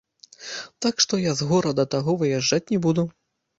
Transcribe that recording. Так што я з горада таго выязджаць не буду.